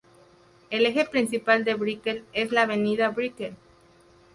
El eje principal de Brickell es la Avenida Brickell.